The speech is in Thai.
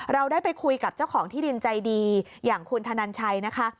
เราได้ไปคุยกับเจ้าของที่ดินใจดีอย่างคุณธนันชัยนะคะ